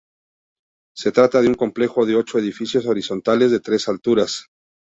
Se trata de un complejo de ocho edificios horizontales de tres alturas.